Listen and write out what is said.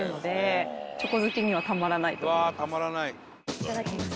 いただきます。